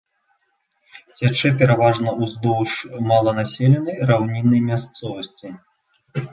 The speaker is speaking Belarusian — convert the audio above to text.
Цячэ пераважна ўздоўж маланаселенай раўніннай мясцовасці.